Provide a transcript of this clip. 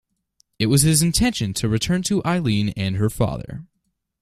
It was his intention to return to Eileen and her father.